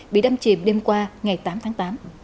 bị đâm chìm đêm qua ngày tám tháng tám